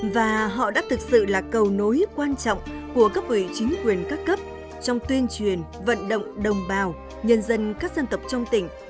và họ đã thực sự là cầu nối quan trọng của cấp ủy chính quyền các cấp trong tuyên truyền vận động đồng bào nhân dân các dân tộc trong tỉnh